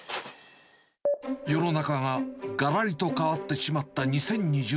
世の中ががらりと変わってしまった２０２０年。